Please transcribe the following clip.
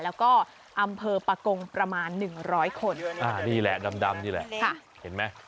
แล้วก็อำเภอปะกงประมาณ๑๐๐คนนี่แหละดำนี่แหละเห็นไหม